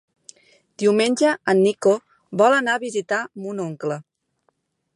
Diumenge en Nico vol anar a visitar mon oncle.